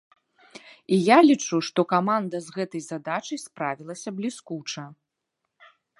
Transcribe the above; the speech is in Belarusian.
І я лічу, што каманда з гэтай задачай справілася бліскуча!